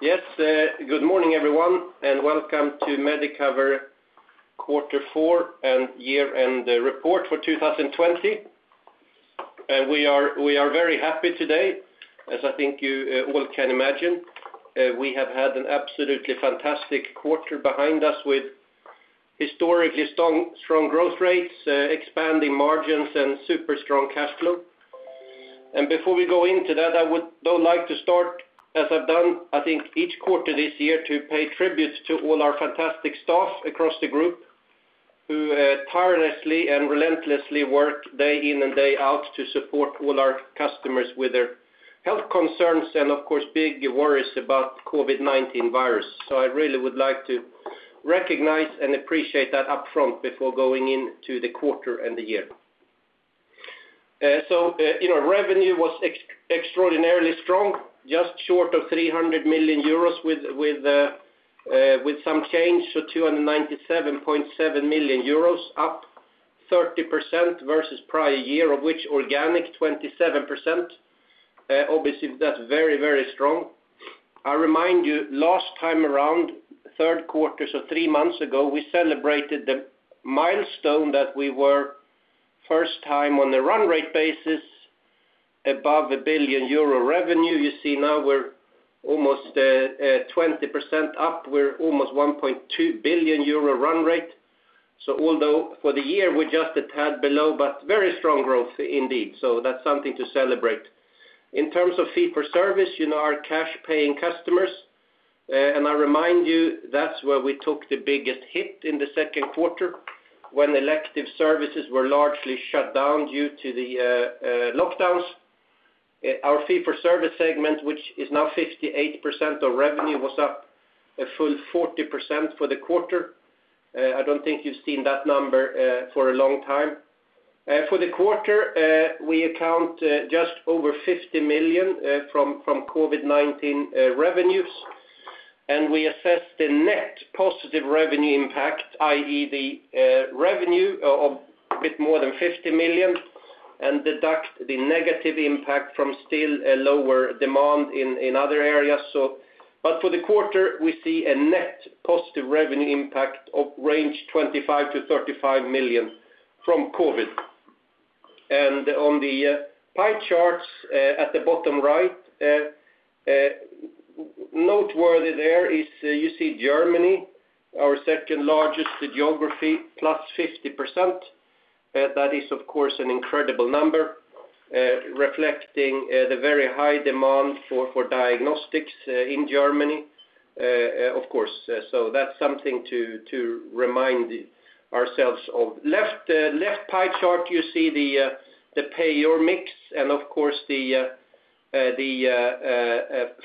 Yes. Good morning, everyone, and welcome to Medicover quarter four and year-end report for 2020. We are very happy today, as I think you all can imagine. We have had an absolutely fantastic quarter behind us with historically strong growth rates, expanding margins, and super strong cash flow. Before we go into that, I would, though, like to start, as I've done, I think each quarter this year, to pay tribute to all our fantastic staff across the group, who tirelessly and relentlessly work day in and day out to support all our customers with their health concerns and, of course, big worries about COVID-19 virus. I really would like to recognize and appreciate that upfront before going into the quarter and the year. Revenue was extraordinarily strong, just short of 300 million euros with some change, 297.7 million euros, up 30% versus prior year, of which organic 27%. Obviously, that's very strong. I remind you, last time around, third quarter three months ago we celebrated the milestone that we were first time on a run rate basis above 1 billion euro revenue. You see now we're almost 20% up. We're almost 1.2 billion euro run rate. Although for the year, we're just a tad below, but very strong growth indeed. That's something to celebrate. In terms of fee for service, our cash paying customers, and I remind you, that's where we took the biggest hit in the second quarter when elective services were largely shut down due to the lockdowns. Our fee for service segment, which is now 58% of revenue, was up a full 40% for the quarter. I don't think you've seen that number for a long time. For the quarter, we account just over 50 million from COVID-19 revenues. We assess the net positive revenue impact, i.e., the revenue of a bit more than 50 million and deduct the negative impact from still a lower demand in other areas. For the quarter, we see a net positive revenue impact of range 25 million-35 million from COVID-19. On the pie charts at the bottom right noteworthy there is you see Germany our second-largest geography, plus 50%. That is, of course, an incredible number, reflecting the very high demand for diagnostics in Germany, of course. That's something to remind ourselves of. Left pie chart, you see the payor mix and, of course, the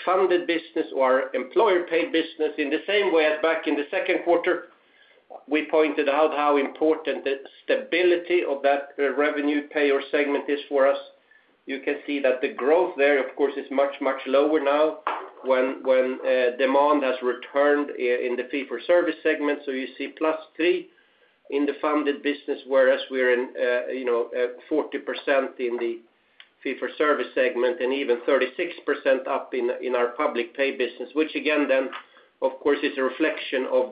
funded business or employer-paid business in the same way as back in the second quarter. We pointed out how important the stability of that revenue payor segment is for us. You can see that the growth there, of course, is much, much lower now when demand has returned in the fee for service segment. You see plus three in the funded business, whereas we're in 40% in the fee for service segment and even 36% up in our public pay business, which again, then, of course, is a reflection of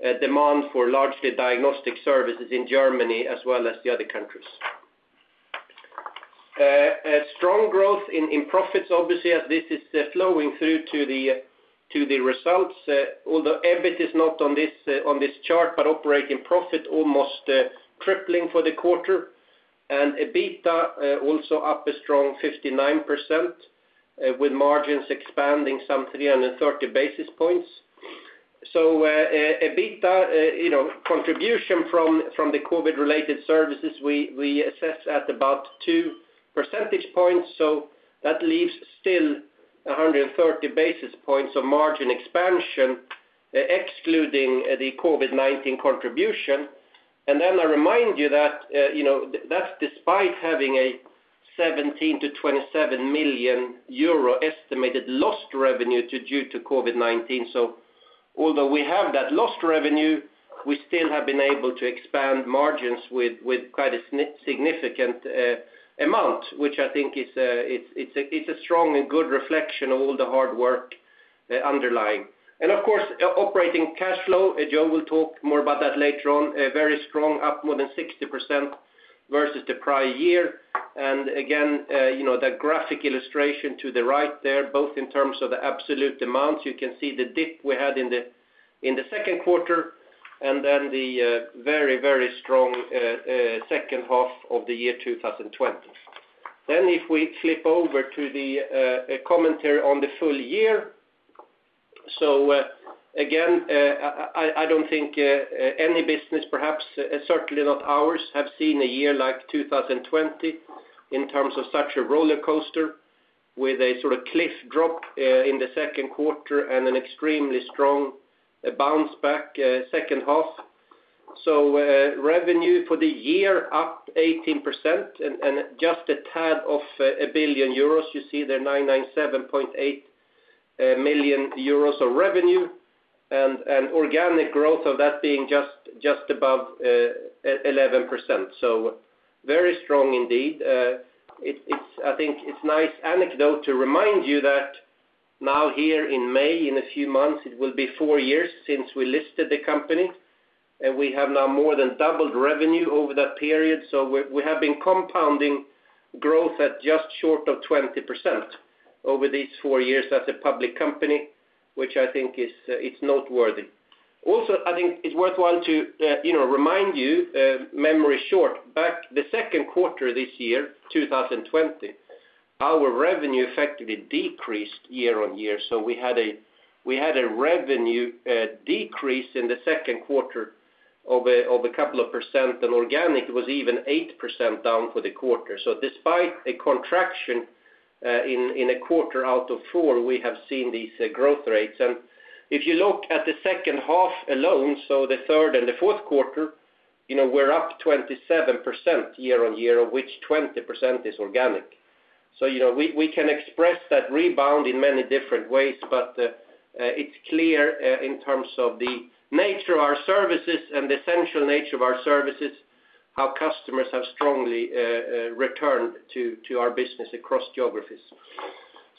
the demand for largely diagnostic services in Germany as well as the other countries. Strong growth in profits, obviously, as this is flowing through to the results. Although EBIT is not on this chart, but operating profit almost tripling for the quarter. EBITDA also up a strong 59%, with margins expanding some 330 basis points. EBITDA contribution from the COVID-related services, we assess at about two percentage points. That leaves still 130 basis points of margin expansion, excluding the COVID-19 contribution. I remind you that's despite having a 17 million-27 million euro estimated lost revenue due to COVID-19. Although we have that lost revenue, we still have been able to expand margins with quite a significant amount, which I think it's a strong and good reflection of all the hard work underlying. Of course, operating cash flow, Joe will talk more about that later on, very strong, up more than 60% versus the prior year. Again, the graphic illustration to the right there, both in terms of the absolute amount, you can see the dip we had in the second quarter, and then the very strong second half of the year 2020. If we flip over to the commentary on the full year. Again, I don't think any business, perhaps, certainly not ours, have seen a year like 2020 in terms of such a roller coaster with a sort of cliff drop in the second quarter and an extremely strong bounce back second half. Revenue for the year up 18% and just a tad off 1 billion euros. You see there, SEK 997.8 million of revenue organic growth of that being just above 11% very strong indeed. I think it's nice anecdote to remind you that now here in May, in a few months, it will be four years since we listed the company, we have now more than doubled revenue over that period. We have been compounding growth at just short of 20% over these four years as a public company, which I think is noteworthy. I think it's worthwhile to remind you, memory short, back the second quarter this year, 2020, our revenue effectively decreased year-on-year. We had a revenue decrease in the second quarter of a couple of percent, and organic was even 8% down for the quarter. Despite a contraction in a quarter out of four, we have seen these growth rates. If you look at the second half alone, so the third and the fourth quarter, we're up 27% year-on-year, of which 20% is organic. We can express that rebound in many different ways, but it's clear in terms of the nature of our services and the essential nature of our services, how customers have strongly returned to our business across geographies.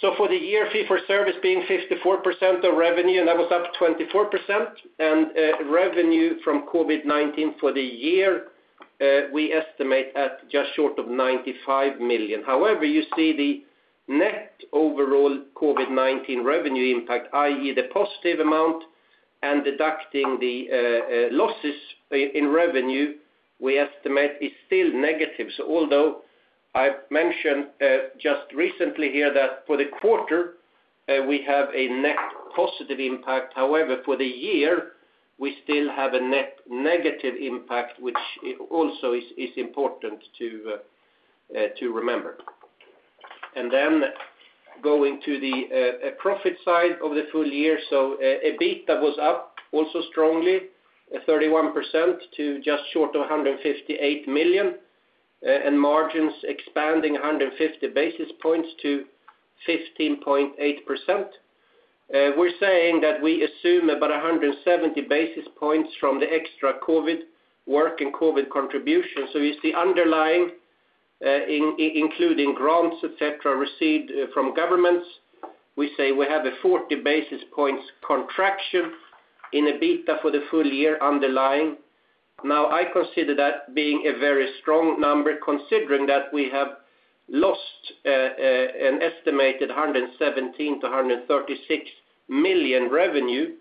For the year fee for service being 54% of revenue, and that was up 24%, and revenue from COVID-19 for the year, we estimate at just short of 95 million. However, you see the net overall COVID-19 revenue impact, i.e., the positive amount and deducting the losses in revenue we estimate is still negative. Although I've mentioned just recently here that for the quarter, we have a net positive impact, however, for the year, we still have a net negative impact, which also is important to remember. Going to the profit side of the full year EBITDA was up also strongly, 31% to just short of 158 million, and margins expanding 150 basis points to 15.8%. We're saying that we assume about 170 basis points from the extra COVID work and COVID contribution. You see underlying, including grants, et cetera, received from governments, we say we have a 40 basis points contraction in EBITDA for the full year underlying. I consider that being a very strong number, considering that we have lost an estimated 117 million-136 million revenue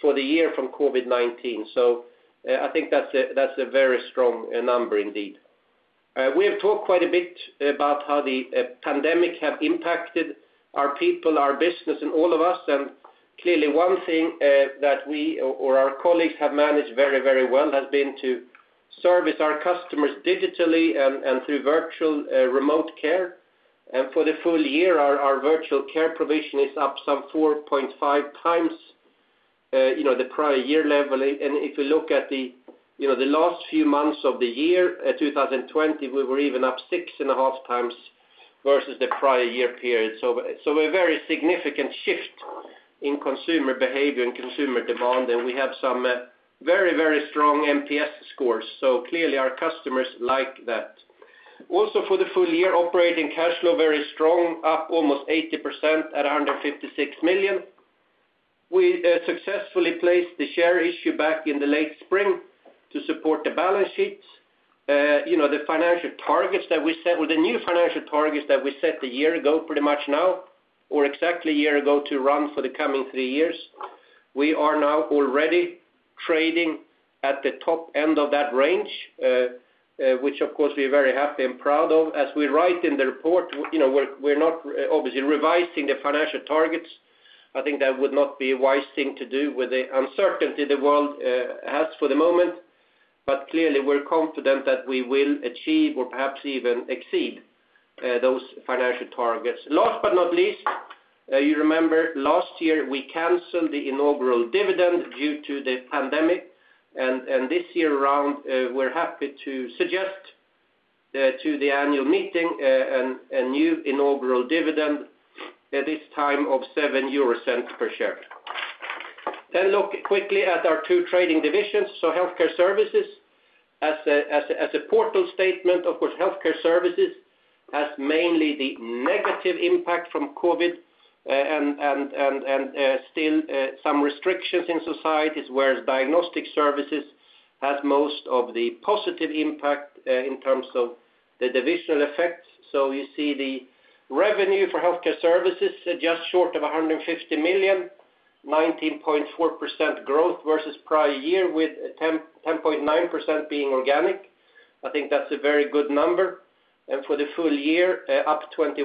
for the year from COVID-19 I think that's a very strong number indeed. We have talked quite a bit about how the pandemic has impacted our people, our business, and all of us, and clearly one thing that we or our colleagues have managed very well has been to service our customers digitally and through virtual remote care. For the full year, our virtual care provision is up some 4.5 times the prior year level. If you look at the last few months of the year, 2020, we were even up six and a half times versus the prior year period. A very significant shift in consumer behavior and consumer demand. We have some very strong NPS scores clearly our customers like that. Also for the full year operating cash flow, very strong, up almost 80% at 156 million. We successfully placed the share issue back in the late spring to support the balance sheets. The new financial targets that we set a year ago pretty much now, or exactly a year ago to run for the coming three years, we are now already trading at the top end of that range, which of course we are very happy and proud of. As we write in the report, we're not obviously revising the financial targets. Clearly, we're confident that we will achieve or perhaps even exceed those financial targets. Last but not least, you remember last year we canceled the inaugural dividend due to the pandemic, and this year around, we're happy to suggest to the annual meeting a new inaugural dividend at this time of 0.07 per share. Look quickly at our two trading divisions. Healthcare services as a portal statement, of course, healthcare services has mainly the negative impact from COVID-19, and still some restrictions in societies, whereas diagnostic services has most of the positive impact in terms of the divisional effects. You see the revenue for healthcare services just short of 150 million, 19.4% growth versus prior year with 10.9% being organic. I think that's a very good number. For the full year, up 21%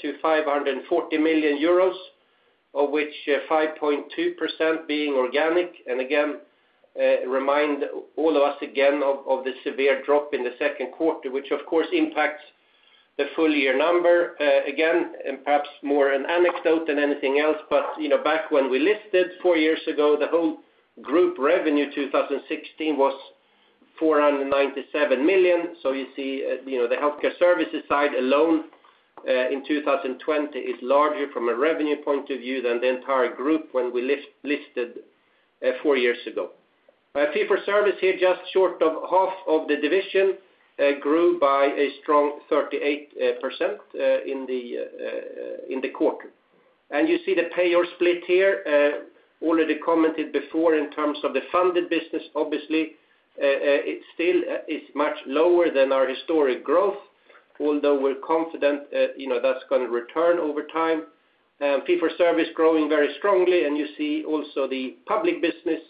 to 540 million euros, of which 5.2% being organic. Again, remind all of us again of the severe drop in the second quarter, which of course impacts the full year number. Again, perhaps more an anecdote than anything else, but back when we listed four years ago, the whole group revenue 2016 was 497 million. You see the healthcare services side alone in 2020 is larger from a revenue point of view than the entire group when we listed four years ago. Fee for service here, just short of half of the division grew by a strong 38% in the quarter. You see the payer split here already commented before in terms of the funded business. Obviously, it still is much lower than our historic growth, although we're confident that's going to return over time. Fee for service growing very strongly. You see also the public business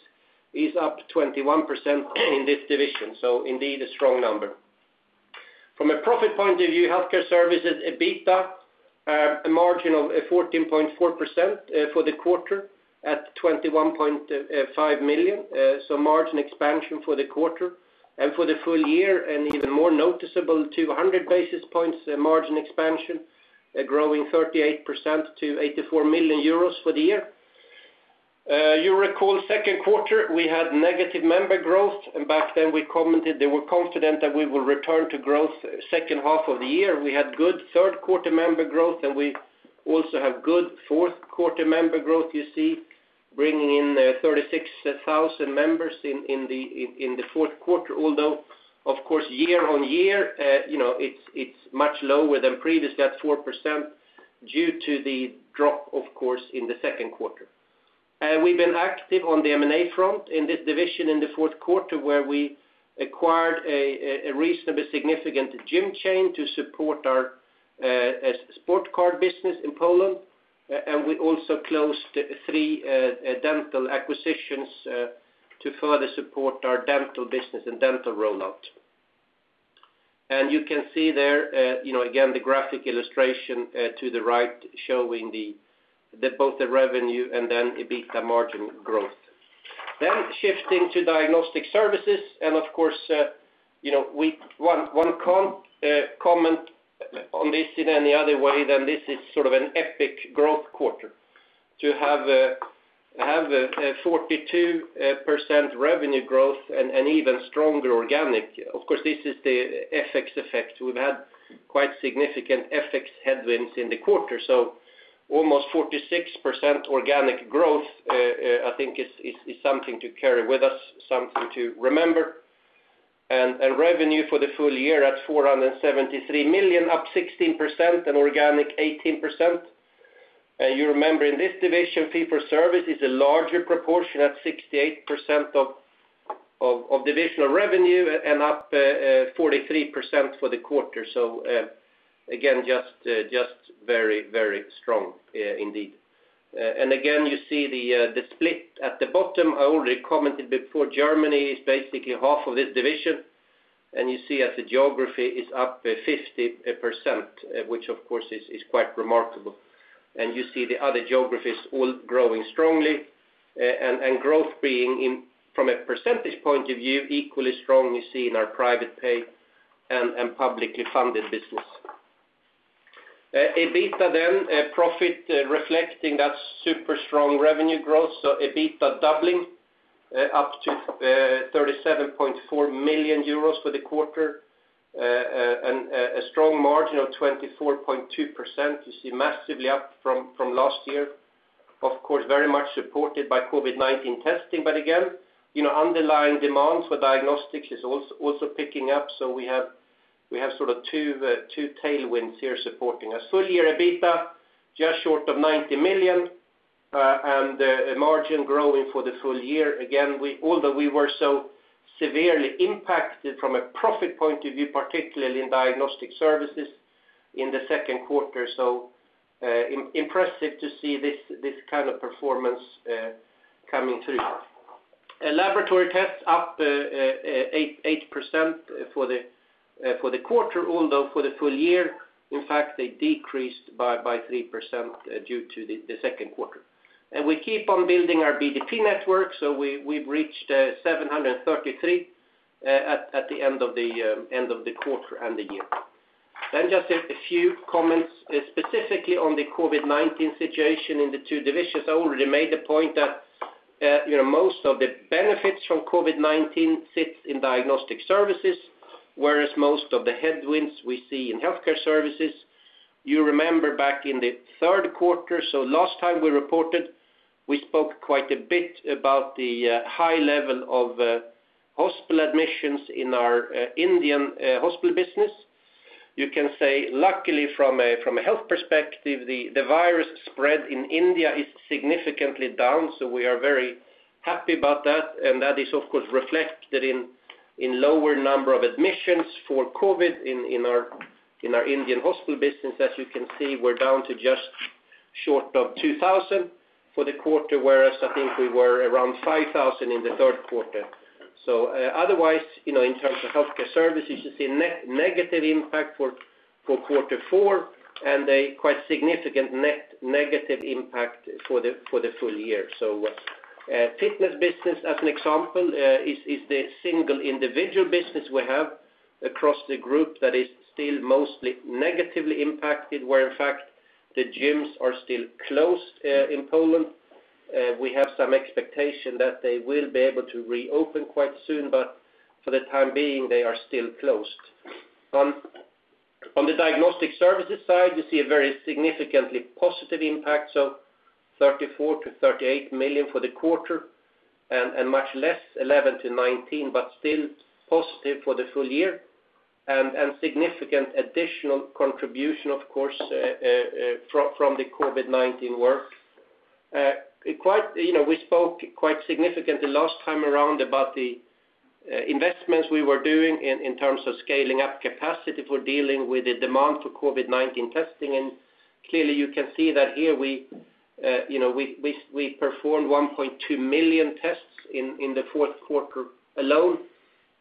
is up 21% in this division. Indeed, a strong number. From a profit point of view, healthcare services EBITDA a margin of 14.4% for the quarter at 21.5 million. Margin expansion for the quarter. For the full year an even more noticeable 200 basis points margin expansion growing 38% to 84 million euros for the year. You recall second quarter we had negative member growth and back then we commented that we're confident that we will return to growth second half of the year. We had good third quarter member growth, and we also have good fourth quarter member growth you see bringing in 36,000 members in the fourth quarter. Although of course year-on-year it's much lower than previous. That's 4% due to the drop of course, in the second quarter. We've been active on the M&A front in this division in the fourth quarter where we acquired a reasonably significant gym chain to support our Sport Card business in Poland. We also closed three dental acquisitions to further support our dental business and dental rollout. You can see there again the graphic illustration to the right showing both the revenue and then EBITDA margin growth. Shifting to diagnostic services. Of course, one comment on this in any other way than this is sort of an epic growth quarter to have a 42% revenue growth and even stronger organic. Of course, this is the FX effect we've had quite significant FX headwinds in the quarter. Almost 46% organic growth I think is something to carry with us, something to remember. Revenue for the full year at 473 million up 16% and organic 18%. You remember in this division, fee for service is a larger proportion at 68% of divisional revenue and up 43% for the quarter. Again, just very, very strong indeed. Again, you see the split at the bottom. I already commented before Germany is basically half of this division and you see as a geography is up 50%, which of course is quite remarkable. You see the other geographies all growing strongly and growth being from a percentage point of view, equally strong you see in our private pay and publicly funded business. EBITDA profit reflecting that super strong revenue growth. EBITDA doubling up to 37.4 million euros for the quarter and a strong margin of 24.2%. You see massively up from last year, of course very much supported by COVID-19 testing. Again underlying demand for diagnostics is also picking up. We have sort of two tailwinds here supporting us. Full year EBITDA just short of 90 million and margin growing for the full year. Again, although we were so severely impacted from a profit point of view, particularly in diagnostic services in the second quarter. Impressive to see this kind of performance coming through. Laboratory tests up 8% for the quarter although for the full year in fact they decreased by 3% due to the second quarter. We keep on building our BDP network. We've reached 733 at the end of the quarter and the year. Just a few comments specifically on the COVID-19 situation in the two divisions. I already made the point that most of the benefits from COVID-19 sits in diagnostic services, whereas most of the headwinds we see in healthcare services. You remember back in the third quarter, so last time we reported, we spoke quite a bit about the high level of hospital admissions in our Indian hospital business. You can say luckily from a health perspective, the virus spread in India is significantly down. We are very happy about that. That is of course reflected in lower number of admissions for COVID in our Indian hospital business. As you can see, we're down to just short of 2,000 for the quarter, whereas I think we were around 5,000 in the third quarter. Otherwise, in terms of healthcare services, you see negative impact for quarter four and a quite significant net negative impact for the full year. Fitness business as an example, is the single individual business we have across the group that is still mostly negatively impacted where in fact the gyms are still closed in Poland. We have some expectation that they will be able to reopen quite soon, but for the time being, they are still closed. On the diagnostic services side, you see a very significantly positive impact, so 34 million-38 million for the quarter, and much less, 11 million-19 million, but still positive for the full year. Significant additional contribution, of course, from the COVID-19 work. We spoke quite significantly last time around about the investments we were doing in terms of scaling up capacity for dealing with the demand for COVID-19 testing. Clearly, you can see that here we performed 1.2 million tests in the fourth quarter alone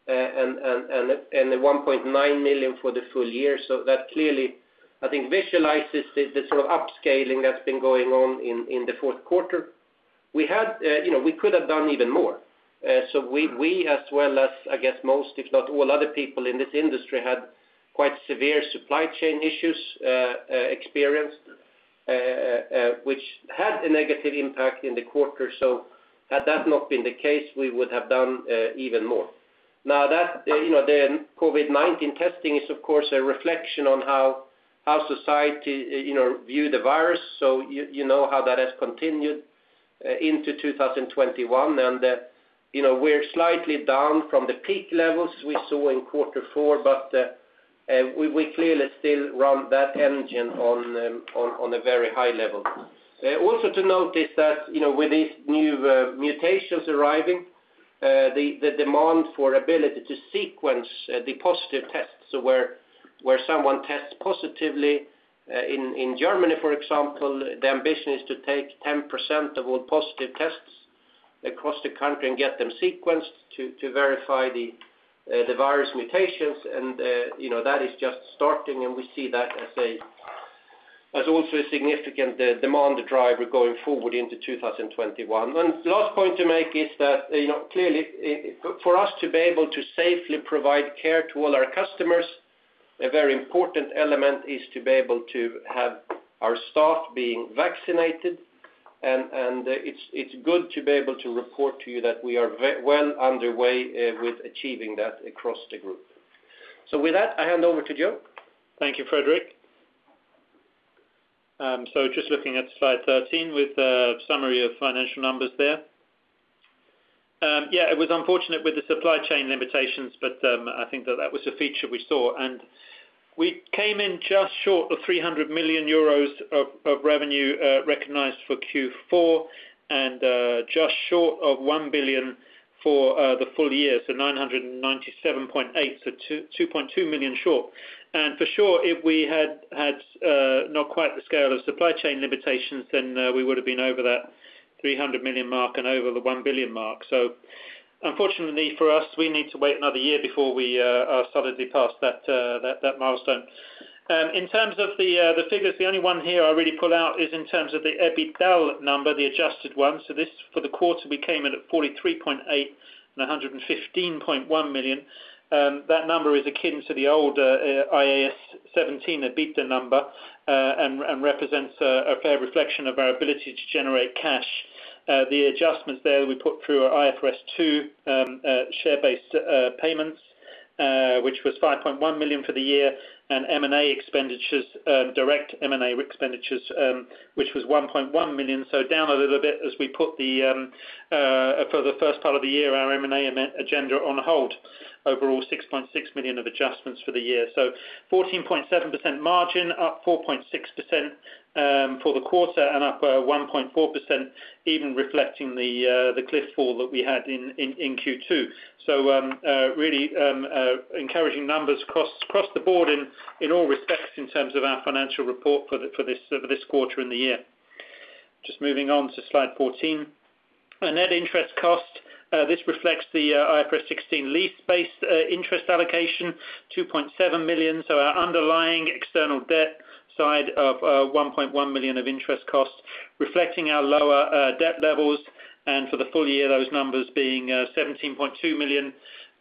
and 1.9 million for the full year. That clearly, I think, visualizes the sort of upscaling that's been going on in the fourth quarter. We could have done even more. We, as well as, I guess most, if not all other people in this industry, had quite severe supply chain issues experienced, which had a negative impact in the quarter. Had that not been the case, we would have done even more. Now, the COVID-19 testing is, of course, a reflection on how society view the virus. You know how that has continued into 2021, and we're slightly down from the peak levels we saw in quarter four, but we clearly still run that engine on a very high level. Also to note is that, with these new mutations arriving, the demand for ability to sequence the positive tests, so where someone tests positively. In Germany, for example, the ambition is to take 10% of all positive tests across the country and get them sequenced to verify the virus mutations, that is just starting, we see that as also a significant demand driver going forward into 2021. The last point to make is that, clearly for us to be able to safely provide care to all our customers, a very important element is to be able to have our staff being vaccinated, it's good to be able to report to you that we are well underway with achieving that across the Group. With that, I hand over to Joe. Thank you, Fredrik. Just looking at slide 13 with a summary of financial numbers there. Yeah, it was unfortunate with the supply chain limitations, but I think that was a feature we saw. We came in just short of 300 million euros of revenue recognized for Q4 and just short of 1 billion for the full year. 997.8, 2.2 million short. For sure, if we had not quite the scale of supply chain limitations, then we would have been over that 300 million mark and over the 1 billion mark. Unfortunately for us, we need to wait another year before we are solidly past that milestone. In terms of the figures, the only one here I really pull out is in terms of the EBITDA number, the adjusted one. This, for the quarter, we came in at 43.8 and 115.1 million. That number is akin to the old IAS 17 EBITDA number and represents a fair reflection of our ability to generate cash. The adjustments there we put through are IFRS 2 share-based payments, which was 5.1 million for the year, and M&A expenditures, direct M&A expenditures, which was 1.1 million. Down a little bit as we put, for the first part of the year, our M&A agenda on hold. Overall, 6.6 million of adjustments for the year. 14.7% margin, up 4.6% for the quarter and up 1.4% even reflecting the cliff fall that we had in Q2. Really encouraging numbers across the board in all respects in terms of our financial report for this quarter and the year. Just moving on to slide 14. Net interest cost. This reflects the IFRS 16 lease-based interest allocation, 2.7 million. Our underlying external debt side of 1.1 million of interest cost, reflecting our lower debt levels. For the full year, those numbers being 17.2 million,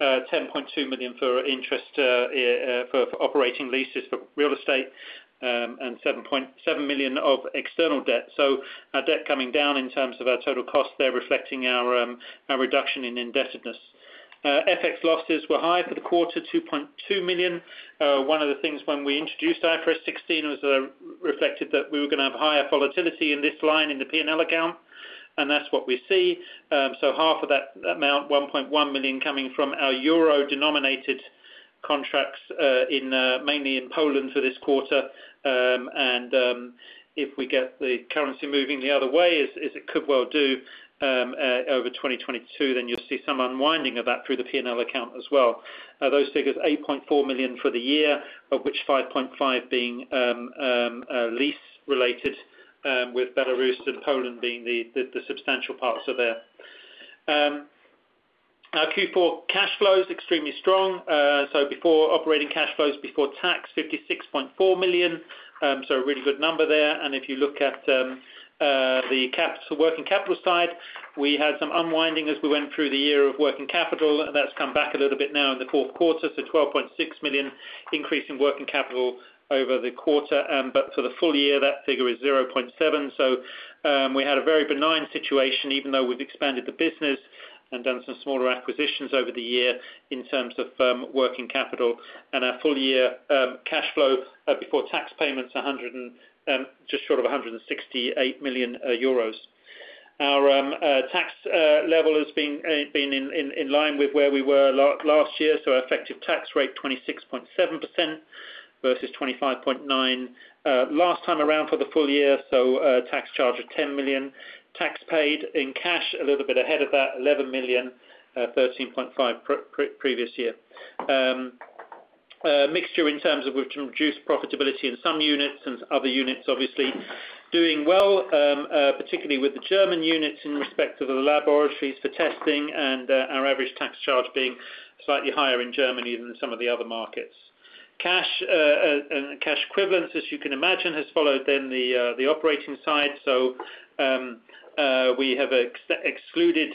10.2 million for interest for operating leases for real estate, and 7.7 million of external debt. Our debt coming down in terms of our total cost there reflecting our reduction in indebtedness. FX losses were high for the quarter, 2.2 million. One of the things when we introduced IFRS 16 was it reflected that we were going to have higher volatility in this line in the P&L account, and that's what we see. Half of that amount, 1.1 million, coming from our euro-denominated contracts, mainly in Poland for this quarter. If we get the currency moving the other way, as it could well do, over 2022, then you'll see some unwinding of that through the P&L account as well. Those figures, 8.4 million for the year, of which 5.5 million being lease related, with Belarus and Poland being the substantial parts of there. Our Q4 cash flows extremely strong. Operating cash flows before tax, 56.4 million. A really good number there. If you look at the working capital side we had some unwinding as we went through the year of working capital. That's come back a little bit now in the fourth quarter to 12.6 million increase in working capital over the quarter. For the full year, that figure is 0.7. We had a very benign situation, even though we've expanded the business and done some smaller acquisitions over the year in terms of working capital. Our full year cash flow before tax payments, just short of 168 million euros. Our tax level has been in line with where we were last year, so our effective tax rate 26.7% versus 25.9% last time around for the full year, so a tax charge of 10 million. Tax paid, in cash, a little bit ahead of that, 11 million, 13.5 previous year. Mixture in terms of we've reduced profitability in some units and other units obviously doing well, particularly with the German units in respect of the laboratories for testing and our average tax charge being slightly higher in Germany than some of the other markets. Cash and cash equivalents, as you can imagine, has followed then the operating side. We have excluded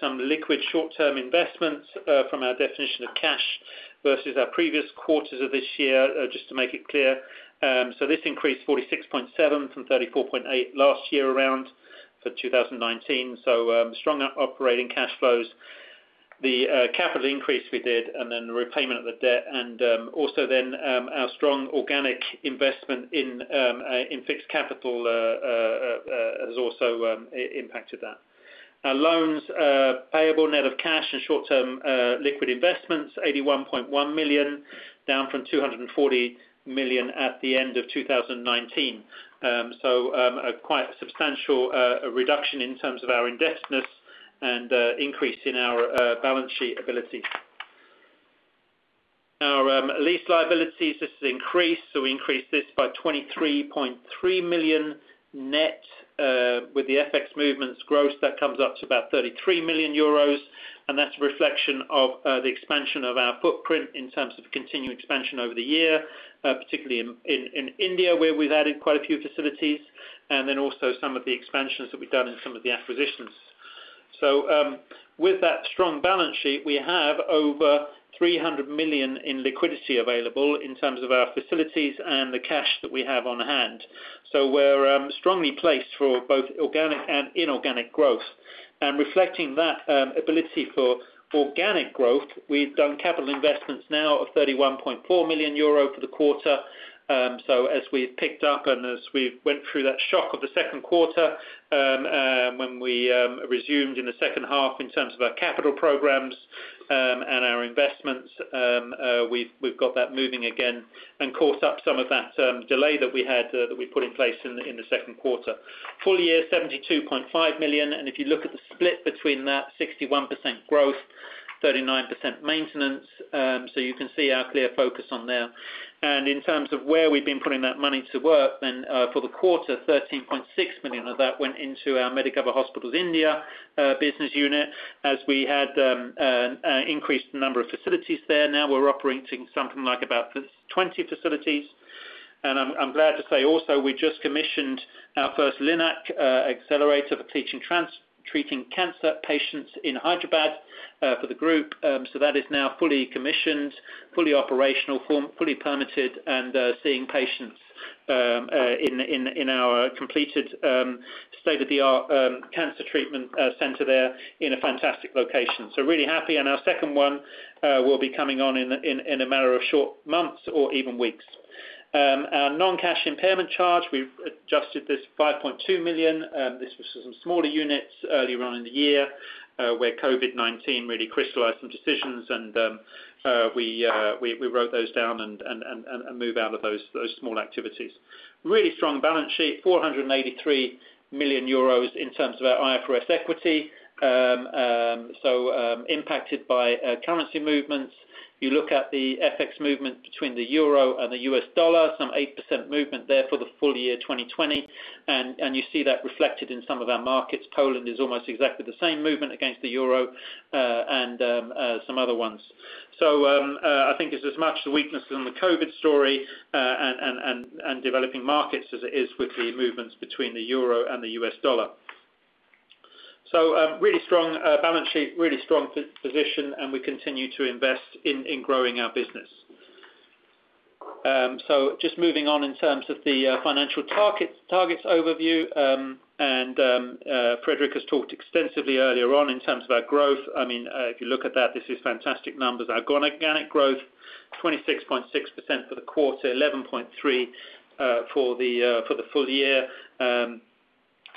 some liquid short-term investments from our definition of cash versus our previous quarters of this year, just to make it clear. This increased 46.7 from 34.8 last year around for 2019. Strong operating cash flows. The capital increase we did and then the repayment of the debt and also then our strong organic investment in fixed capital has also impacted that. Our loans payable net of cash and short-term liquid investments, 81.1 million, down from 240 million at the end of 2019. A quite substantial reduction in terms of our indebtedness and increase in our balance sheet ability. Our lease liabilities, this has increased. We increased this by 23.3 million net with the FX movements gross, that comes up to about 33 million euros, and that's a reflection of the expansion of our footprint in terms of continued expansion over the year, particularly in India, where we've added quite a few facilities, and then also some of the expansions that we've done in some of the acquisitions. With that strong balance sheet, we have over 300 million in liquidity available in terms of our facilities and the cash that we have on hand. We're strongly placed for both organic and inorganic growth. Reflecting that ability for organic growth, we've done capital investments now of 31.4 million euro for the quarter. As we've picked up and as we went through that shock of the second quarter, when we resumed in the second half in terms of our capital programs and our investments, we've got that moving again and caught up some of that delay that we had that we put in place in the second quarter. Full year, 72.5 million, and if you look at the split between that, 61% growth, 39% maintenance. You can see our clear focus on there. In terms of where we've been putting that money to work then for the quarter 13.6 million of that went into our Medicover Hospitals India business unit, as we had increased the number of facilities there. Now we're operating something like about 20 facilities. I'm glad to say also, we just commissioned our first LINAC accelerator for treating cancer patients in Hyderabad for the group. That is now fully commissioned, fully operational, fully permitted, and seeing patients in our completed state-of-the-art cancer treatment center there in a fantastic location. Really happy. Our second one will be coming on in a matter of short months or even weeks. Our non-cash impairment charge, we've adjusted this 5.2 million. This was some smaller units earlier on in the year, where COVID-19 really crystallized some decisions, and we wrote those down and move out of those small activities. Really strong balance sheet, SEK 483 million in terms of our IFRS equity. Impacted by currency movements. You look at the FX movement between the EUR and the USD, some 8% movement there for the full year 2020. You see that reflected in some of our markets. Poland is almost exactly the same movement against the EUR and some other ones. I think it's as much the weakness in the COVID story and developing markets as it is with the movements between the EUR and the USD. Really strong balance sheet, really strong position, and we continue to invest in growing our business. Just moving on in terms of the financial targets overview. Fredrik has talked extensively earlier on in terms of our growth. If you look at that, this is fantastic numbers. Our organic growth, 26.6% for the quarter, 11.3% for the full year.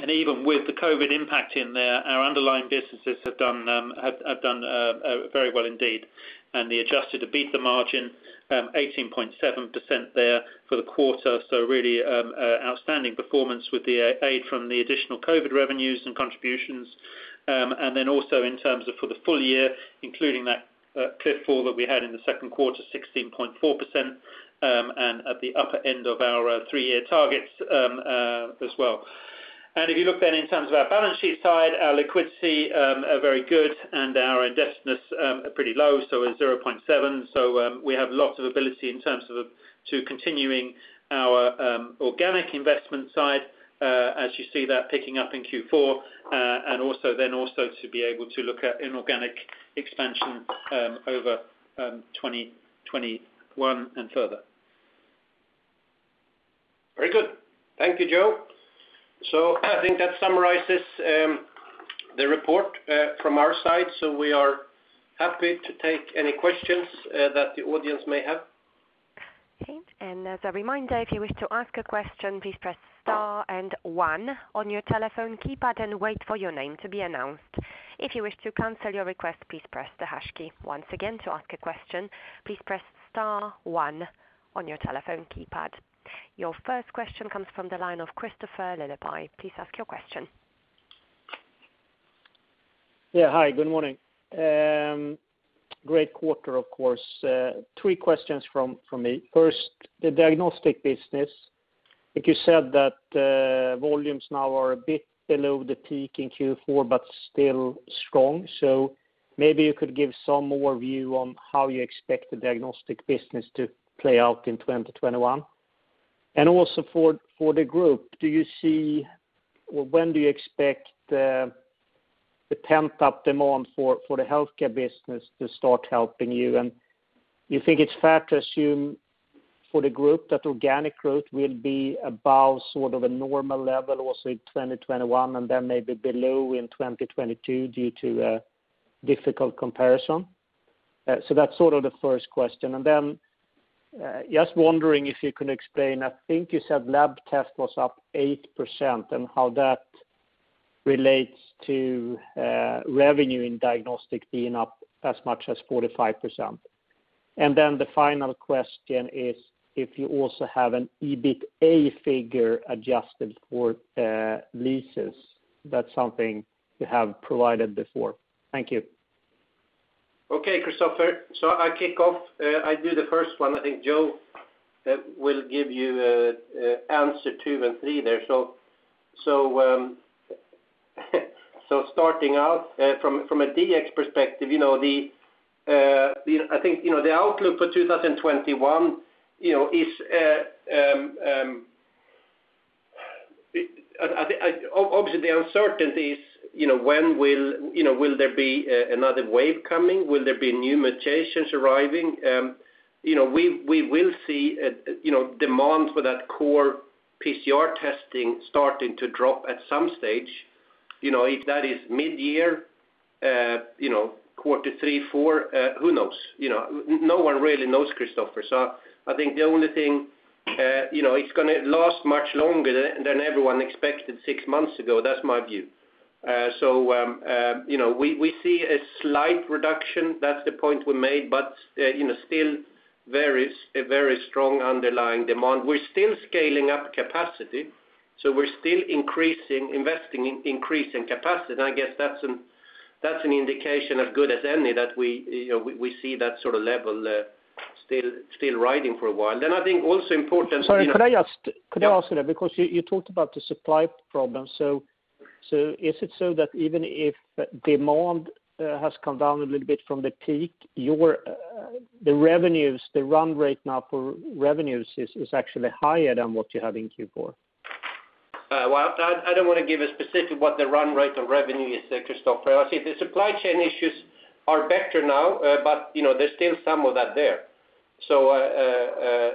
Even with the COVID impact in there, our underlying businesses have done very well indeed. The adjusted EBITDA margin, 18.7% there for the quarter. Really outstanding performance with the aid from the additional COVID revenues and contributions. Also in terms of for the full year, including that cliff fall that we had in the second quarter, 16.4% and at the upper end of our three-year targets as well. If you look in terms of our balance sheet side, our liquidity are very good and our indebtedness are pretty low, it's 0.7. We have lots of ability in terms of to continuing our organic investment side, as you see that picking up in Q4, also to be able to look at inorganic expansion over 2021 and further. Very good. Thank you, Joe. I think that summarizes the report from our side. We are happy to take any questions that the audience may have. Your first question comes from the line of Kristofer Liljeberg. Please ask your question. Yeah. Hi, good morning. Great quarter, of course. Three questions from me. First, the diagnostic business. I think you said that volumes now are a bit below the peak in Q4, but still strong. Maybe you could give some more view on how you expect the diagnostic business to play out in 2021. Also for the group, when do you expect the pent-up demand for the healthcare business to start helping you? You think it's fair to assume for the group that organic growth will be above sort of a normal level also in 2021, and then maybe below in 2022 due to a difficult comparison? That's sort of the first question. Then just wondering if you can explain, I think you said lab test was up 8%, and how that relates to revenue in diagnostic being up as much as 45%. The final question is if you also have an EBITA figure adjusted for leases. That's something you have provided before. Thank you. Okay, Kristofer. I kick off. I do the first one. I think Joe will give you answer two and three there. Starting out, from a DX perspective, I think the outlook for 2021 is Obviously, the uncertainty is will there be another wave coming? Will there be new mutations arriving? We will see demand for that core PCR testing starting to drop at some stage. If that is mid-year, quarter three, four, who knows? No one really knows, Kristofer. I think the only thing, it's going to last much longer than everyone expected six months ago. That's my view. We see a slight reduction, that's the point we made, but still a very strong underlying demand. We're still scaling up capacity, so we're still investing in increasing capacity, and I guess that's an indication as good as any that we see that sort of level still riding for a while. Sorry, could I ask. Yeah because you talked about the supply problem. Is it so that even if demand has come down a little bit from the peak, the revenues, the run rate now for revenues is actually higher than what you had in Q4? I don't want to give a specific what the run rate of revenue is there, Kristofer. I think the supply chain issues are better now, but there's still some of that there. The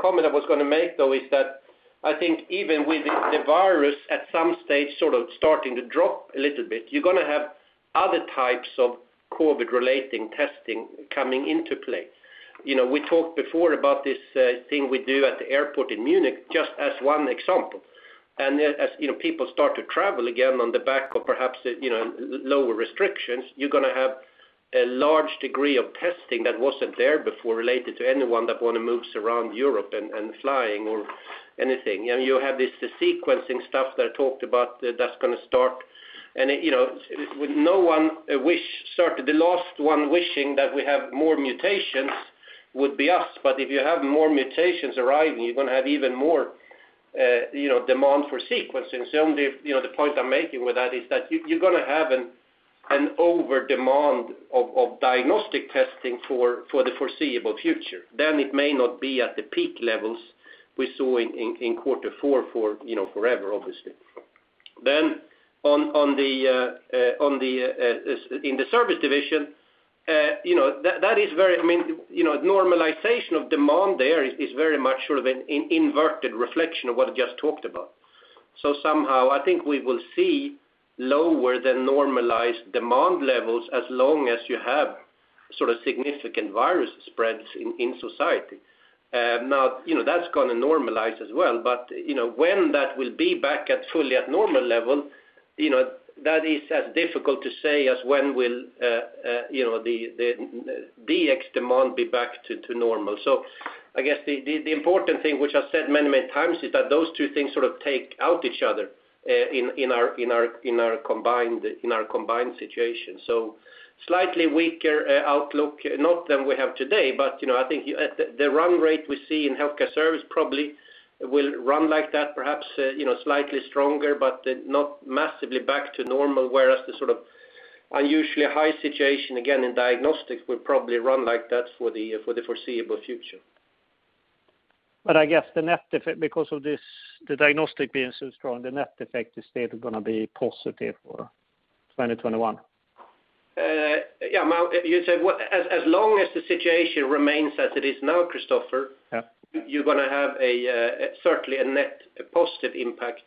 comment I was going to make though is that I think even with the virus at some stage sort of starting to drop a little bit, you're going to have other types of COVID relating testing coming into play. We talked before about this thing we do at the airport in Munich, just as one example. As people start to travel again on the back of perhaps lower restrictions, you're going to have a large degree of testing that wasn't there before related to anyone that want to move around Europe and flying or anything. You have this sequencing stuff that I talked about that's going to start. The last one wishing that we have more mutations would be us. If you have more mutations arriving, you're going to have even more demand for sequencing. The point I'm making with that is that you're going to have an over demand of diagnostic testing for the foreseeable future. It may not be at the peak levels we saw in quarter four for forever, obviously. In the service division, normalization of demand there is very much sort of an inverted reflection of what I just talked about. Somehow, I think we will see lower than normalized demand levels as long as you have sort of significant virus spreads in society. Now, that's going to normalize as well, but when that will be back at fully at normal level, that is as difficult to say as when will the DX demand be back to normal. I guess the important thing, which I've said many times, is that those two things sort of take out each other in our combined situation. Slightly weaker outlook, not than we have today, but I think the run rate we see in healthcare service probably will run like that, perhaps slightly stronger, but not massively back to normal, whereas the sort of unusually high situation, again, in diagnostics will probably run like that for the foreseeable future. I guess because of the diagnostic being so strong, the net effect is still going to be positive for 2021. As long as the situation remains as it is now, Kristofer. Yeah you're going to have certainly a net positive impact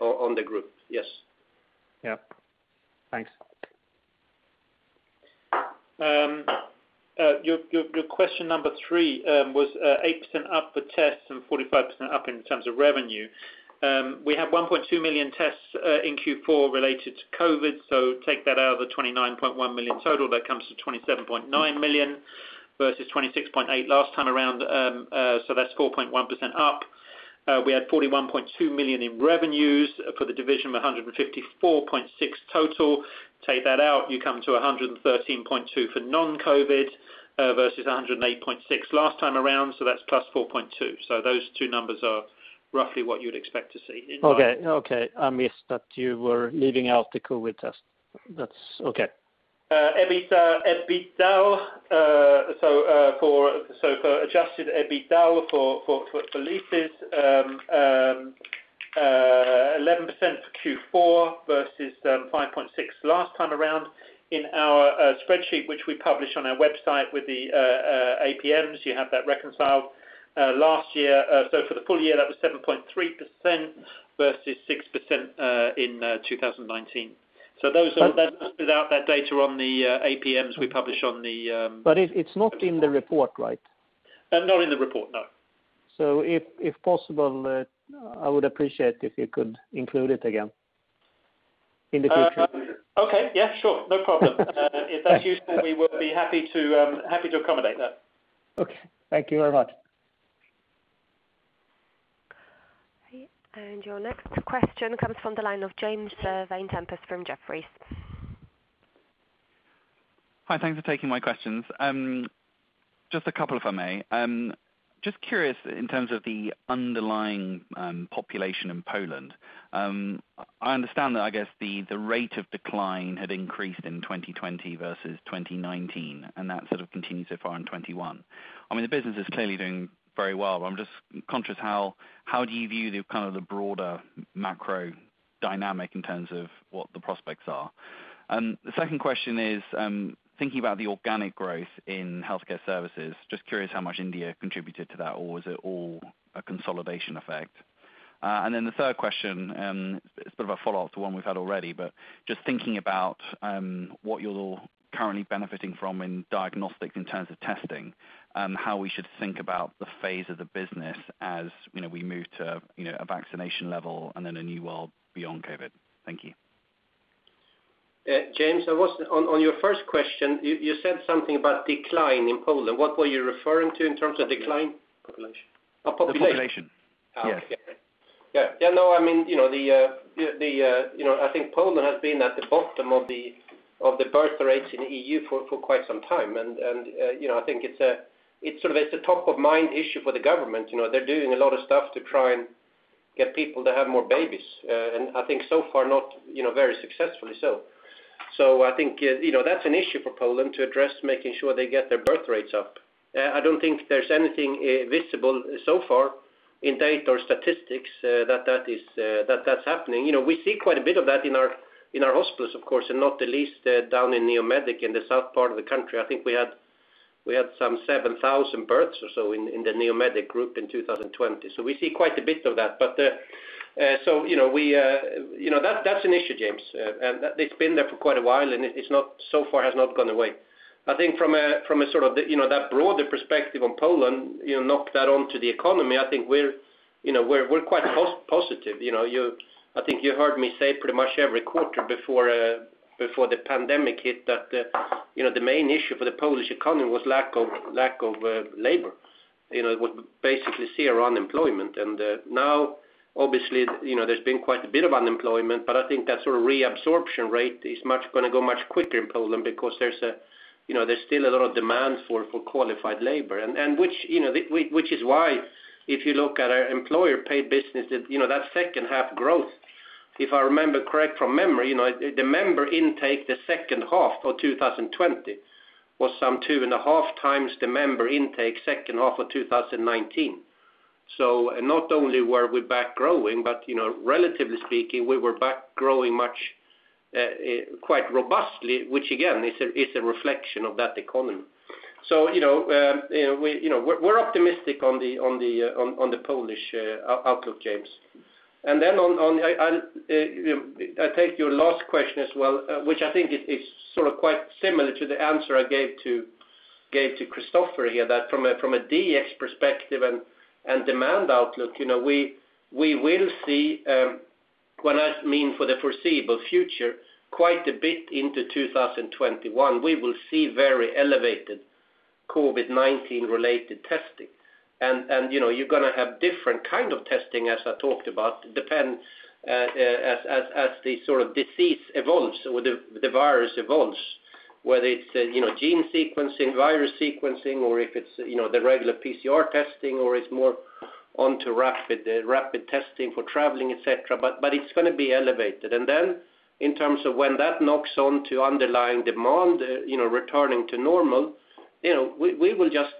on the group. Yes. Yeah. Thanks. Your question number 3 was 8% up for tests and 45% up in terms of revenue. We have 1.2 million tests in Q4 related to COVID, so take that out of the 29.1 million total, that comes to 27.9 million versus 26.8 million last time around. That's 4.1% up. We had 41.2 million in revenues for the division of 154.6 million total. Take that out, you come to 113.2 million for non-COVID versus 108.6 million last time around, so that's +4.2%. Those two numbers are roughly what you would expect to see. Okay. I missed that you were leaving out the COVID test. That's okay. EBITDA. For adjusted EBITDA for leases, 11% for Q4 versus 5.6 last time around. In our spreadsheet, which we publish on our website with the APMs, you have that reconciled last year. For the full year, that was 7.3% versus 6% in 2019. It's not in the report, right? Not in the report, no. If possible, I would appreciate if you could include it again in the future. Okay. Yeah, sure. No problem. If that's useful, we will be happy to accommodate that. Okay. Thank you very much. Your next question comes from the line of James Vane-Tempest from Jefferies. Hi, thanks for taking my questions. Just a couple, if I may. Just curious in terms of the underlying population in Poland. I understand that, I guess, the rate of decline had increased in 2020 versus 2019. That sort of continued so far in 2021. The business is clearly doing very well. I'm just conscious how do you view the broader macro dynamic in terms of what the prospects are? The second question is thinking about the organic growth in healthcare services, just curious how much India contributed to that, or was it all a consolidation effect? Then the third question, it's a bit of a follow-up to one we've had already, but just thinking about what you're currently benefiting from in diagnostics in terms of testing how we should think about the phase of the business as we move to a vaccination level and then a new world beyond COVID. Thank you. James, on your first question, you said something about decline in Poland. What were you referring to in terms of decline? Population. Oh, population. The population. Yes. Okay. Yeah, I think Poland has been at the bottom of the birth rates in the EU for quite some time. I think it's a top-of-mind issue for the government. They're doing a lot of stuff to try and get people to have more babies, and I think so far not very successfully so. I think that's an issue for Poland to address, making sure they get their birth rates up. I don't think there's anything visible so far in data or statistics that that's happening. We see quite a bit of that in our hospitals, of course, and not the least down in Neomedic in the south part of the country. I think we had some 7,000 births or so in the Neomedic group in 2020. We see quite a bit of that. That's an issue, James. It's been there for quite a while, and it so far has not gone away. I think from that broader perspective on Poland, knock that on to the economy, I think we're quite positive. I think you heard me say pretty much every quarter before the pandemic hit that the main issue for the Polish economy was lack of labor. It was basically zero unemployment. Now obviously, there's been quite a bit of unemployment, but I think that sort of reabsorption rate is going to go much quicker in Poland because there's still a lot of demand for qualified labor. Which is why if you look at our employer paid business, that second half growth, if I remember correct from memory, the member intake the second half of 2020 was some two and a half times the member intake second half of 2019. Not only were we back growing, but relatively speaking, we were back growing much quite robustly, which again, is a reflection of that economy. I take your last question as well, which I think is sort of quite similar to the answer I gave to Kristofer here, that from a DX perspective and demand outlook, we will see when I mean for the foreseeable future, quite a bit into 2021, we will see very elevated COVID-19 related testing. You're going to have different kind of testing, as I talked about, depend as the sort of disease evolves or the virus evolves. Whether it's gene sequencing, virus sequencing, or if it's the regular PCR testing, or it's more onto rapid testing for traveling, et cetera, but it's going to be elevated. Then in terms of when that knocks on to underlying demand returning to normal, we will just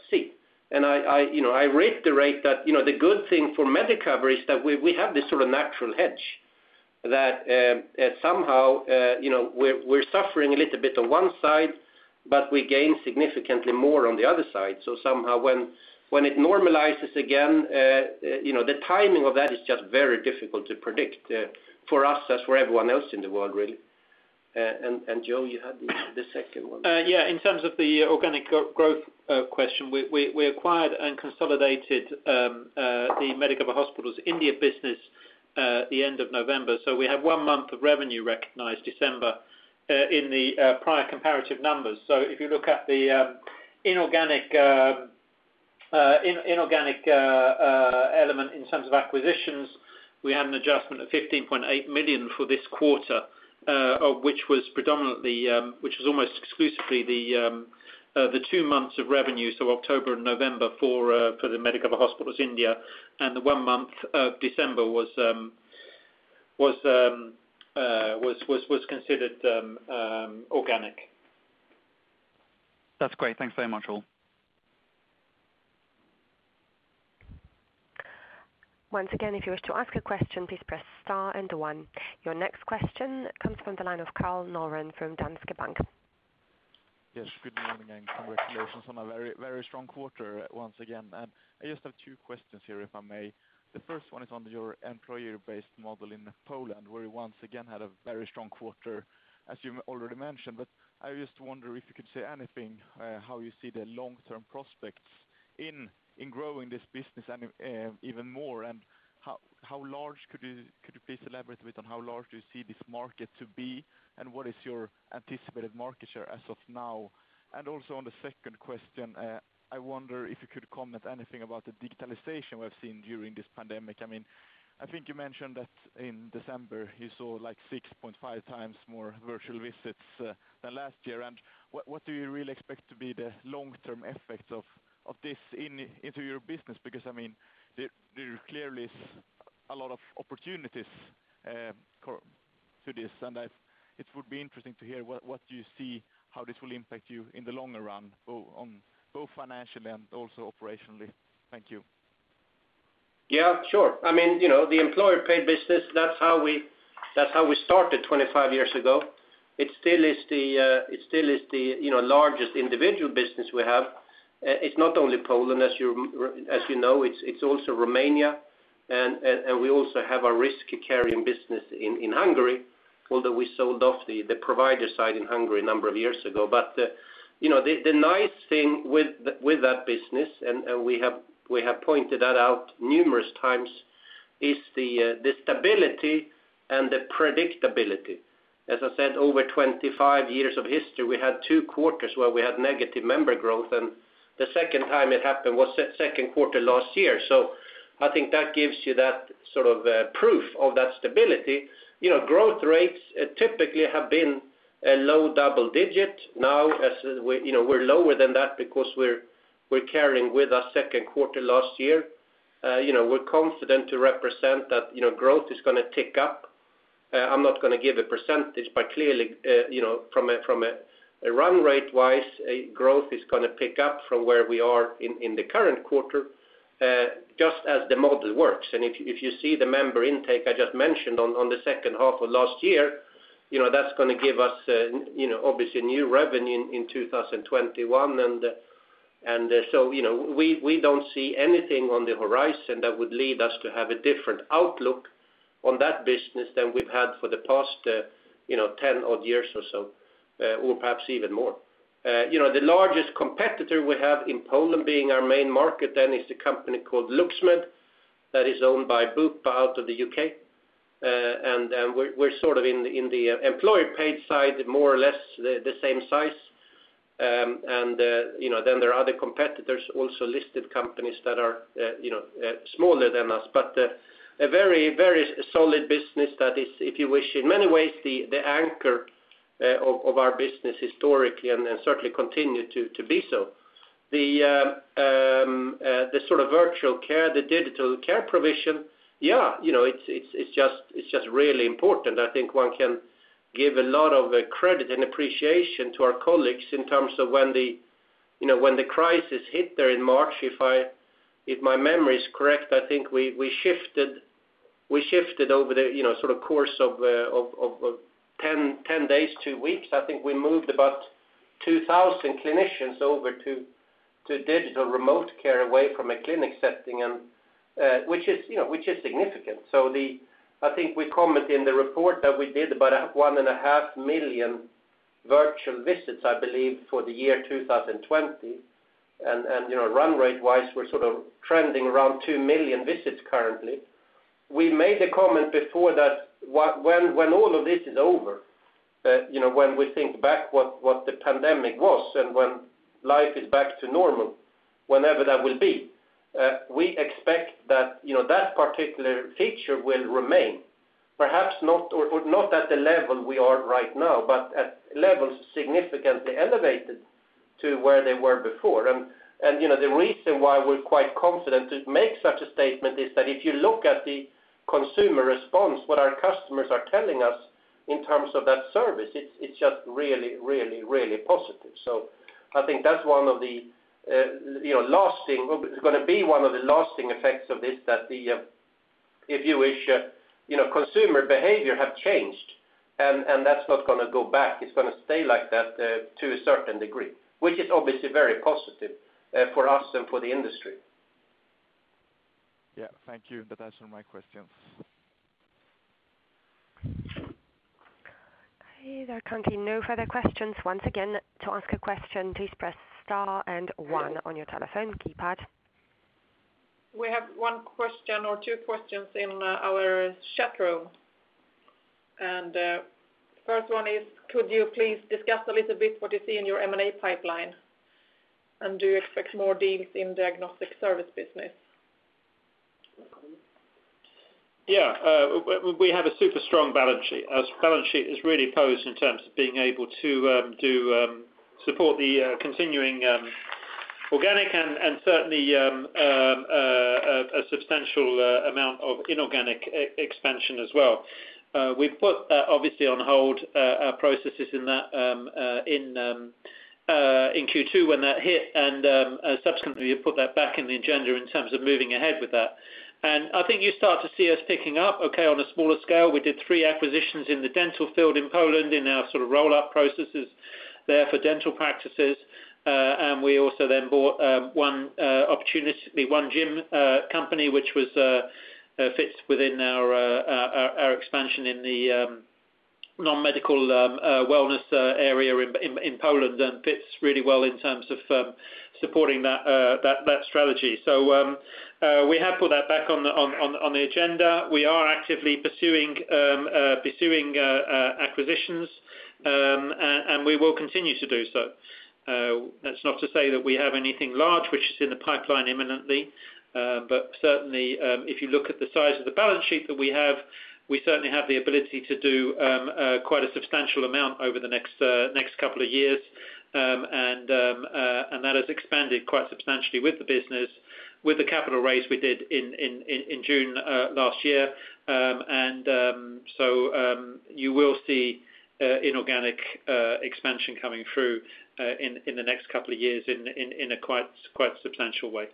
see. I reiterate that the good thing for Medicover is that we have this sort of natural hedge that somehow we're suffering a little bit on one side, but we gain significantly more on the other side. Somehow when it normalizes again, the timing of that is just very difficult to predict for us as for everyone else in the world, really. Joe, you had the second one. Yeah. In terms of the organic growth question, we acquired and consolidated the Medicover Hospitals India business the end of November. We have one month of revenue recognized December in the prior comparative numbers. If you look at the inorganic element in terms of acquisitions, we had an adjustment of 15.8 million for this quarter, which was almost exclusively the two months of revenue. October and November for the Medicover Hospitals India, and the one month of December was considered organic. That's great. Thanks very much, all. Once again, if you wish to ask a question, please press star and one. Your next question comes from the line of Karl Norén from Danske Bank. Yes, good morning. Congratulations on a very strong quarter once again. I just have two questions here, if I may. The first one is on your employer-based model in Poland, where you once again had a very strong quarter, as you already mentioned. I just wonder if you could say anything, how you see the long-term prospects in growing this business even more, and could you please elaborate on how large you see this market to be, and what is your anticipated market share as of now? Also, on the second question, I wonder if you could comment anything about the digitalization we've seen during this pandemic. I think you mentioned that in December you saw 6.5 times more virtual visits than last year. What do you really expect to be the long-term effects of this into your business? There clearly is a lot of opportunities to this, and it would be interesting to hear what you see how this will impact you in the longer run, both financially and also operationally. Thank you. Yeah, sure. The employer-paid business, that's how we started 25 years ago. It still is the largest individual business we have. It's not only Poland, as you know. It's also Romania, and we also have a risk-carrying business in Hungary, although we sold off the provider side in Hungary a number of years ago. The nice thing with that business, and we have pointed that out numerous times, is the stability and the predictability. As I said, over 25 years of history, we had two quarters where we had negative member growth, and the second time it happened was second quarter last year. I think that gives you that sort of proof of that stability. Growth rates typically have been a low double digit. Now, as we're lower than that because we're carrying with us second quarter last year. We're confident to represent that growth is going to tick up. I'm not going to give a percentage, clearly from a run rate wise, growth is going to pick up from where we are in the current quarter, just as the model works. If you see the member intake I just mentioned on the second half of last year, that's going to give us obviously new revenue in 2021. We don't see anything on the horizon that would lead us to have a different outlook on that business than we've had for the past 10 odd years or so, or perhaps even more. The largest competitor we have in Poland being our main market is a company called LUX MED that is owned by Bupa out of the U.K. We're sort of in the employer-paid side, more or less the same size. Then there are other competitors, also listed companies that are smaller than us, but a very solid business that is, if you wish, in many ways the anchor of our business historically and certainly continue to be so. The sort of virtual care, the digital care provision, yeah, it's just really important. I think one can give a lot of credit and appreciation to our colleagues in terms of when the crisis hit there in March. If my memory is correct, I think we shifted over the sort of course of 10 days, two weeks. I think we moved about 2,000 clinicians over to digital remote care away from a clinic setting, which is significant. I think we comment in the report that we did about 1.5 million virtual visits, I believe, for the year 2020. Run rate wise, we're sort of trending around 2 million visits currently. We made a comment before that when all of this is over, when we think back what the pandemic was and when life is back to normal, whenever that will be, we expect that particular feature will remain. Perhaps not at the level we are right now, but at levels significantly elevated to where they were before. The reason why we're quite confident to make such a statement is that if you look at the consumer response, what our customers are telling us in terms of that service, it's just really positive. I think that's going to be one of the lasting effects of this, that the consumer behavior have changed, and that's not going to go back. It's going to stay like that to a certain degree, which is obviously very positive for us and for the industry. Yeah. Thank you. That answers my questions. Okay. There are currently no further questions. Once again, to ask a question, please press star and one on your telephone keypad. We have one question or two questions in our chat room. First one is, could you please discuss a little bit what you see in your M&A pipeline, and do you expect more deals in diagnostic service business? Yeah. We have a super strong balance sheet. Our balance sheet is really posed in terms of being able to support the continuing organic and certainly a substantial amount of inorganic expansion as well. We put that obviously on hold, our processes in Q2 when that hit and subsequently have put that back in the agenda in terms of moving ahead with that. I think you start to see us picking up, okay, on a smaller scale. We did three acquisitions in the dental field in Poland in our sort of roll-up processes there for dental practices. We also then bought one gym company, which fits within our expansion in the non-medical wellness area in Poland and fits really well in terms of supporting that strategy. We have put that back on the agenda. We are actively pursuing acquisitions, and we will continue to do so. That's not to say that we have anything large which is in the pipeline imminently. Certainly, if you look at the size of the balance sheet that we have, we certainly have the ability to do quite a substantial amount over the next couple of years. That has expanded quite substantially with the business, with the capital raise we did in June last year. You will see inorganic expansion coming through in the next couple of years in a quite substantial way.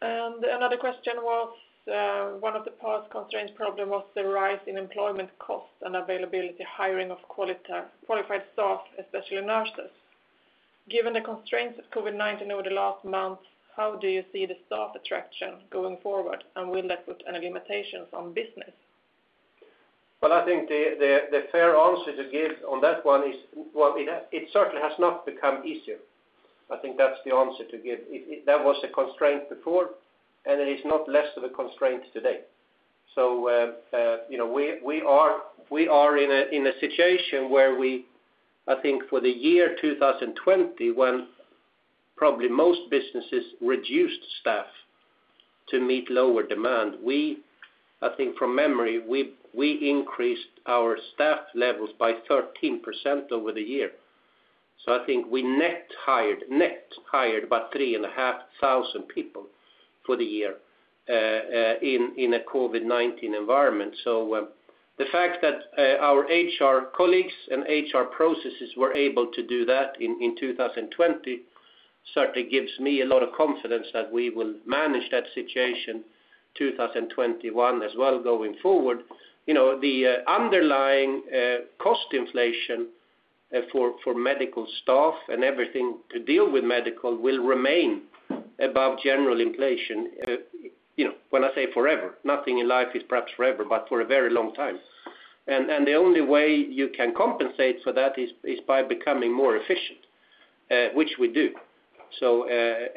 Another question was, one of the past constraints problem was the rise in employment cost and availability, hiring of qualified staff, especially nurses. Given the constraints of COVID-19 over the last month, how do you see the staff attraction going forward, and will that put any limitations on business? Well, I think the fair answer to give on that one is, well, it certainly has not become easier. I think that's the answer to give. That was a constraint before, and it is not less of a constraint today. We are in a situation where we, I think for the year 2020, when probably most businesses reduced staff to meet lower demand, we increased our staff levels by 13% over the year. I think we net hired about 3,500 people for the year in a COVID-19 environment. The fact that our HR colleagues and HR processes were able to do that in 2020 certainly gives me a lot of confidence that we will manage that situation 2021 as well going forward. The underlying cost inflation for medical staff and everything to deal with medical will remain above general inflation. When I say forever, nothing in life is perhaps forever, but for a very long time. The only way you can compensate for that is by becoming more efficient, which we do.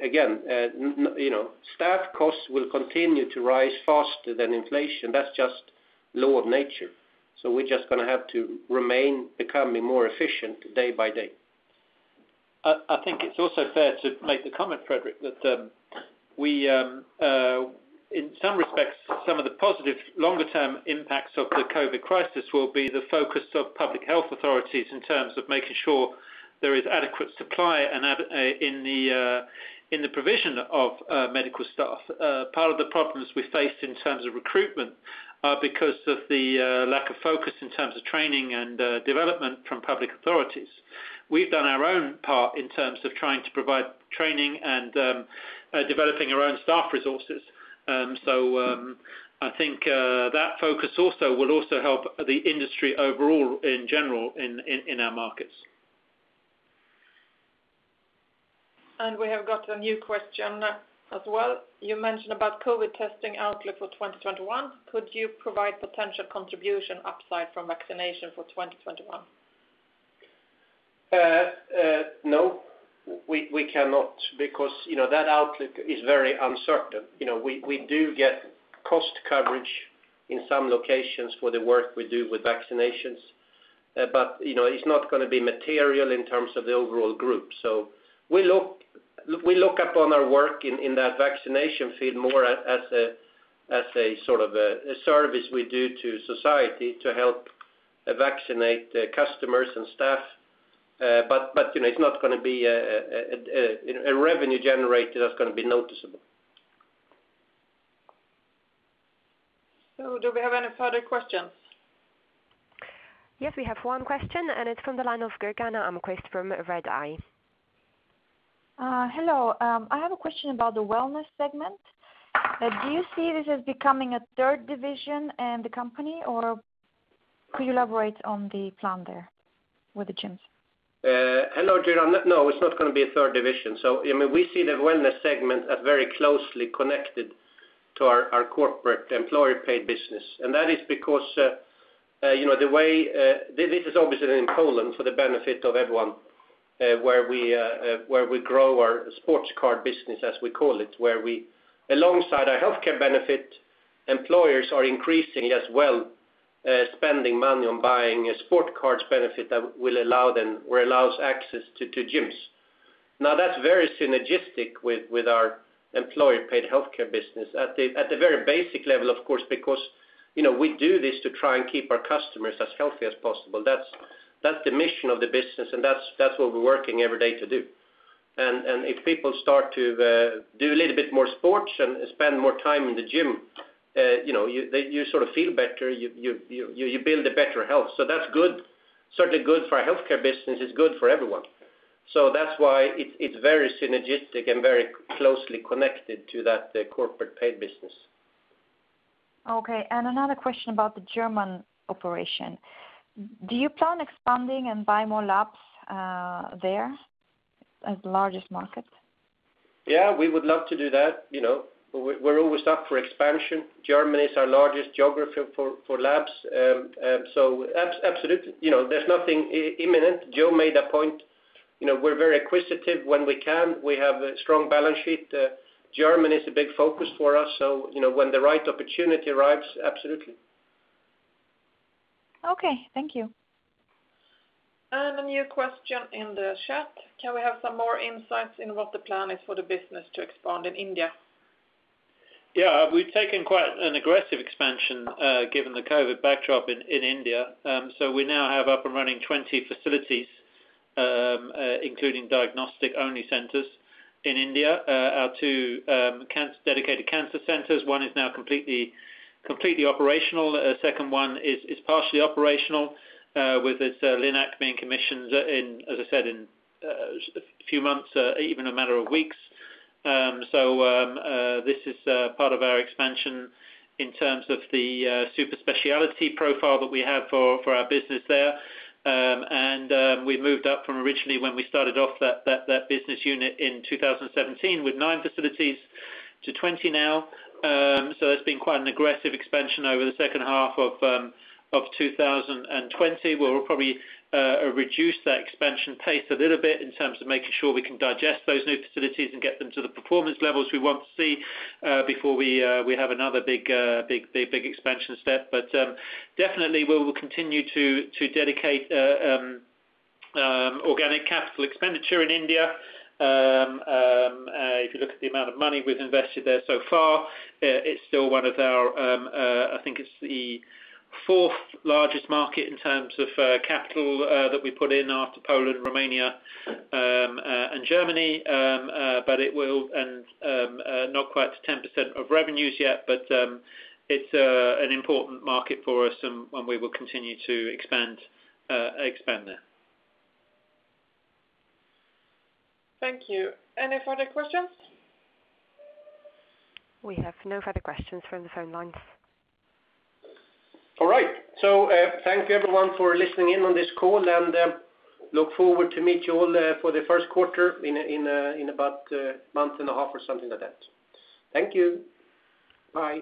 Again, staff costs will continue to rise faster than inflation. That's just law of nature. We're just going to have to remain becoming more efficient day by day. I think it's also fair to make the comment, Fredrik, that in some respects, some of the positive longer term impacts of the COVID crisis will be the focus of public health authorities in terms of making sure there is adequate supply in the provision of medical staff. Part of the problems we faced in terms of recruitment are because of the lack of focus in terms of training and development from public authorities. We've done our own part in terms of trying to provide training and developing our own staff resources. I think that focus will also help the industry overall in general in our markets. We have got a new question as well. You mentioned about COVID testing outlook for 2021. Could you provide potential contribution upside from vaccination for 2021? No, we cannot because that outlook is very uncertain. We do get cost coverage in some locations for the work we do with vaccinations. It's not going to be material in terms of the overall group. We look upon our work in that vaccination field more as a service we do to society to help vaccinate customers and staff. It's not going to be a revenue generator that's going to be noticeable. Do we have any further questions? Yes, we have one question, and it's from the line of Gerhard Armfelt from Redeye. Hello. I have a question about the wellness segment. Do you see this as becoming a third division in the company, or could you elaborate on the plan there with the gyms? Hello, Gerhard. No, it's not going to be a third division. We see the wellness segment as very closely connected to our corporate employee paid business. That is because this is obviously in Poland for the benefit of everyone, where we grow our Sport Card business, as we call it, where alongside our healthcare benefit, employers are increasingly as well spending money on buying a sports cards benefit that allows access to gyms. Now, that's very synergistic with our employer-paid healthcare business at the very basic level, of course, because we do this to try and keep our customers as healthy as possible. That's the mission of the business, and that's what we're working every day to do. If people start to do a little bit more sports and spend more time in the gym, you sort of feel better. You build a better health. That's certainly good for our healthcare business. It's good for everyone. That's why it's very synergistic and very closely connected to that corporate paid business. Okay, another question about the German operation. Do you plan expanding and buy more labs there as the largest market? Yeah, we would love to do that. We're always up for expansion. Germany is our largest geography for labs. Absolutely. There's nothing imminent. Joe made a point. We're very acquisitive when we can. We have a strong balance sheet. Germany is a big focus for us. When the right opportunity arrives, absolutely. Okay. Thank you. A new question in the chat. Can we have some more insights in what the plan is for the business to expand in India? Yeah, we've taken quite an aggressive expansion given the COVID-19 backdrop in India. We now have up and running 20 facilities, including diagnostic-only centers in India. Our two dedicated cancer centers, one is now completely operational. Second one is partially operational, with its LINAC being commissioned in, as I said, in a few months, even a matter of weeks. This is part of our expansion in terms of the super specialty profile that we have for our business there. We moved up from originally when we started off that business unit in 2017 with nine facilities to 20 now. That's been quite an aggressive expansion over the second half of 2020, where we'll probably reduce that expansion pace a little bit in terms of making sure we can digest those new facilities and get them to the performance levels we want to see before we have another big expansion step. Definitely we will continue to dedicate organic capital expenditure in India. If you look at the amount of money we've invested there so far, it's still one of our, I think it's the fourth largest market in terms of capital that we put in after Poland, Romania, and Germany. Not quite to 10% of revenues yet, but it's an important market for us, and one we will continue to expand there. Thank you. Any further questions? We have no further questions from the phone lines. Thank you everyone for listening in on this call, and look forward to meet you all for the first quarter in about a month and a half or something like that. Thank you. Bye.